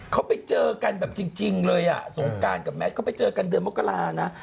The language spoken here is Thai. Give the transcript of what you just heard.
เขาไปเจอกันแบบจริงเลยอ่ะสงการกับแมทเขาไปเจอกันเดือนมกรานะ